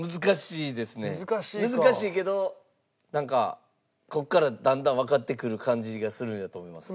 難しいけどなんかここからだんだんわかってくる感じがするんやと思います。